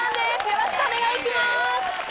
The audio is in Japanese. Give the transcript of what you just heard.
よろしくお願いします